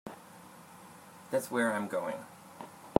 That's where I'm going.